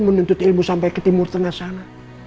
menuntut ilmu sampai ke timur tengah sana